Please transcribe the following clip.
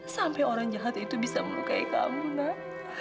sampai orang jahat itu bisa melukai kamu nak